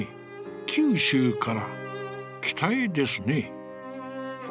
九州から北へですね」。